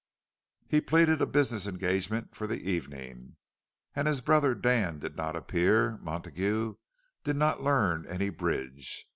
He pleaded a business engagement for the evening; and as brother Dan did not appear, Montague did not learn any bridge.